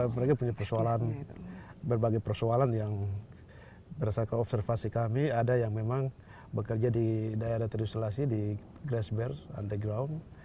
mereka punya persoalan berbagai persoalan yang berdasarkan observasi kami ada yang memang bekerja di daerah terisolasi di grassberg underground